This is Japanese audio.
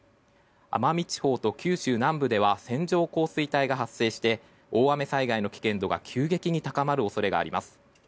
奄美地方と九州南部では線状降水帯が発生して大雨災害の危険度が急激に高まる恐れがあります。